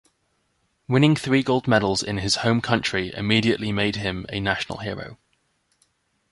Winning three gold medals in his home country immediately made him a national hero.